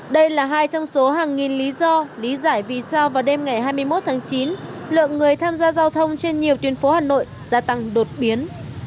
đây là hai trong số hàng nghìn lý do lý giải vì sao vào đêm ngày hai mươi một tháng chín lượng người tham gia giao thông trên nhiều tuyến phố hà nội gia tăng đột biến